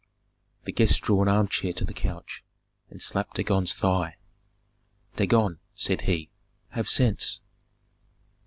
The guest drew an armchair to the couch, and slapped Dagon's thigh. "Dagon," said he, "have sense."